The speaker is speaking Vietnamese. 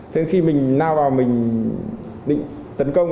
thế khi mình nao vào mình định tấn công